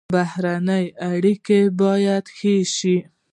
بهرنۍ اړیکې باید ښې شي